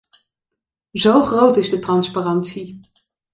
Zo groot is de transparantie!